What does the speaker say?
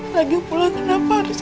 lagi pula kenapa harus